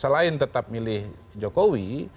selain tetap milih jokowi